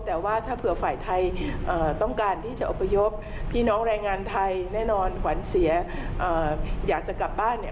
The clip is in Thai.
แต่ว่าถ้าเผื่อฝ่ายไทยต้องการที่จะอพยพพี่น้องแรงงานไทยแน่นอนขวัญเสียอยากจะกลับบ้านเนี่ย